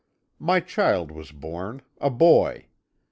"My child was born a boy.